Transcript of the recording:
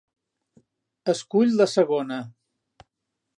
Escull la segona.